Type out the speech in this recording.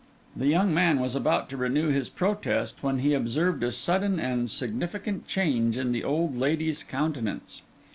The young man was about to renew his protest, when he observed a sudden and significant change in the old lady's countenance.